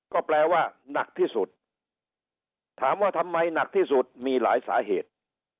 ก็แปลว่าหนักที่สุดถามว่าทำไมหนักที่สุดมีหลายสาเหตุ